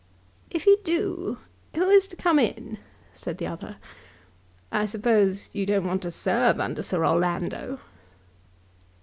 "If he do, who is to come in?" said the other. "I suppose you don't want to serve under Sir Orlando?"